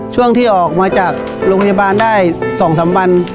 ช่วงที่ออกมาจากโรงพยาบาลได้๒๓วัน